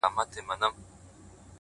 ماته اوس هم راځي حال د چا د ياد ـ